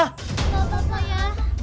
nggak apa apa ya